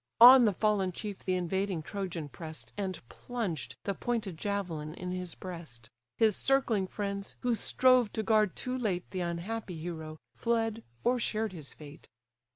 On the fallen chief the invading Trojan press'd, And plunged the pointed javelin in his breast. His circling friends, who strove to guard too late The unhappy hero, fled, or shared his fate.